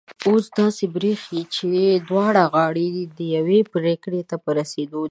اوس داسي برېښي چي دواړه غاړې یوې پرېکړي ته په رسېدو دي